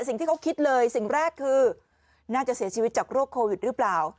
สิ่งที่เขาคิดเลยสิ่งแรกคือน่าจะเสียชีวิตจากโรคโควิดหรือเปล่า